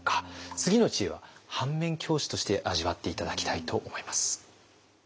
次の知恵は反面教師として味わって頂きたいと思います。